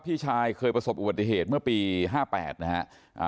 พี่ชายเคยประสบอุบัติเหตุเมื่อปีห้าแปดนะฮะ